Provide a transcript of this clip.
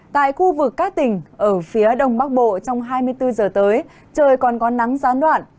tại khu vực các tỉnh ở phía đông bắc bộ trong hai mươi bốn giờ tới trời còn có nắng gián đoạn